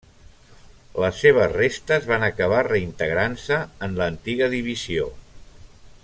Les seves restes van acabar reintegrant-se en l'antiga divisió.